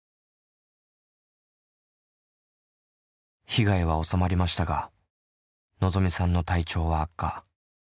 被害は収まりましたがのぞみさんの体調は悪化。